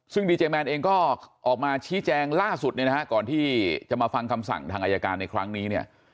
ซึ่งดีเจแมนเองก็ออกมาชี้แจงล่าสุดเนี่ยนะฮะก่อนที่จะมาฟังคำสั่งทางอายการในครั้งนี้เนี่ย